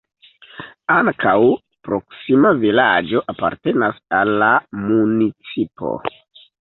Ankaŭ proksima vilaĝo apartenas al la municipo.